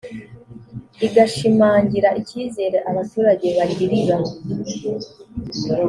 igashimangira icyizere abaturage bagirira